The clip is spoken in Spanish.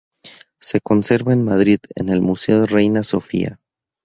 Se conserva en Madrid, en el Museo Reina Sofía.